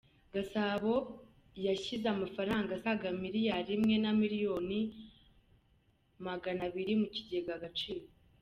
Gasabo yashyize amafaranga asaga miliyali imwe na miliyoni Maganabiri mu kigega Agaciro